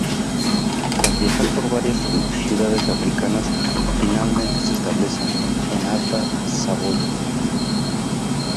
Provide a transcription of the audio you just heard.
Tras viajar por varias ciudades africanas finalmente se establece en Alta Saboya.